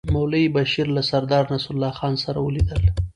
مولوي بشیر له سردار نصرالله خان سره لیدل.